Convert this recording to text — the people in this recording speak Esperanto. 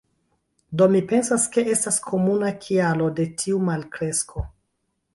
Do mi pensas ke estas komuna kialo de tiu malkresko.